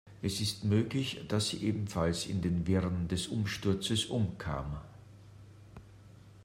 Es ist möglich, dass sie ebenfalls in den Wirren des Umsturzes umkam.